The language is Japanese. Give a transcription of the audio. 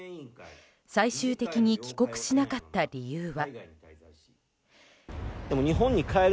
最終的に帰国しなかった理由は。